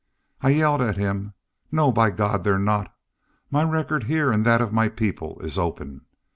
I yelled at him: 'No, by God, they're not! My record heah an' that of my people is open.